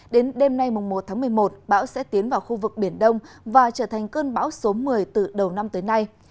đến đêm nay một tháng một mươi một bão sẽ tiến vào khu vực biển đông và trở thành cơn bão số một mươi từ đầu năm tới nay